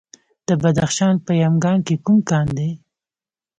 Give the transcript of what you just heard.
د بدخشان په یمګان کې کوم کان دی؟